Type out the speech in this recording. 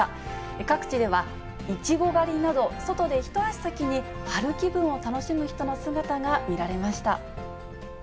各地ではいちご狩りなど、外で一足先に春気分を楽しむ人の姿が見られました。